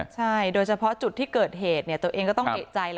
ใช่โดยเฉพาะจุดที่เกิดเหตุตัวเองก็ต้องเอกใจ